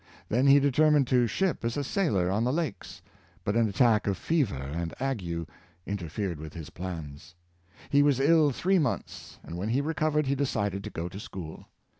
Then he determined to ship as a sail or on the lakes, but an attack of fever and ague inter fered with his plans. He was ill three months, and when he recovered he decided to go to school.